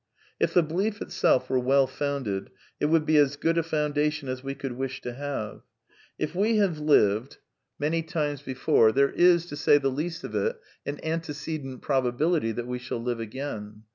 If the belief itself were well founded it would be as good a foundation as we could wish to have. If we have lived 316 A DEFENCE OF IDEALISM many times before, there is, to say the least of it, an ant* cedent probability that we shall live again.